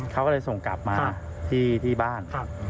เขาก็เลยส่งกลับมาที่บ้าน